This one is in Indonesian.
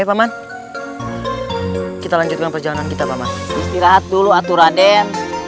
eh paman kita lanjutkan perjalanan kita paman istirahat dulu aturaden